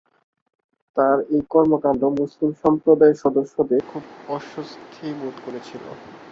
তাঁর এই কর্মকাণ্ড মুসলিম সম্প্রদায়ের সদস্যদের খুব অস্বস্তি বোধ করেছিল।